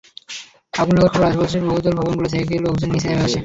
আগুন লাগার খবরে আশপাশের বহুতল ভবনগুলো থেকেও লোকজন নিচে নেমে আসে।